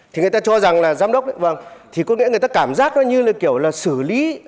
thì người ta cho rằng là giám đốc thì có nghĩa người ta cảm giác nó như là kiểu là xử lý